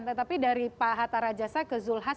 tetapi dari pak hatta rajasa ke zulhas